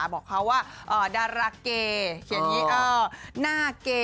บอกเขาว่าดาลาเก๋หน้าเก๋